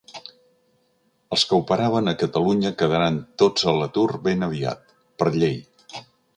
Els que operaven a Catalunya quedaran tots a l'atur ben aviat, per llei.